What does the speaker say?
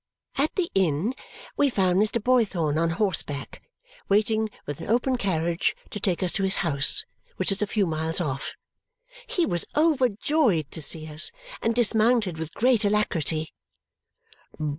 At the inn we found Mr. Boythorn on horseback, waiting with an open carriage to take us to his house, which was a few miles off. He was overjoyed to see us and dismounted with great alacrity.